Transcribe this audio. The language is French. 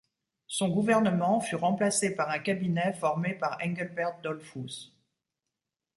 Son gouvernement fut remplacé par un cabinet formé par Engelbert Dollfuss.